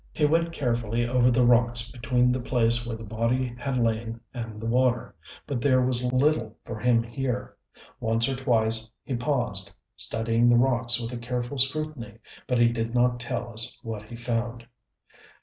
He went carefully over the rocks between the place where the body had lain and the water; but there was little for him here. Once or twice he paused, studying the rocks with a careful scrutiny, but he did not tell us what he found.